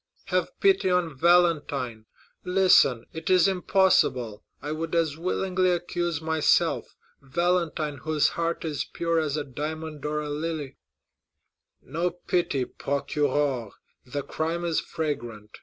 "Have pity on Valentine! Listen, it is impossible. I would as willingly accuse myself! Valentine, whose heart is pure as a diamond or a lily!" "No pity, procureur; the crime is fragrant.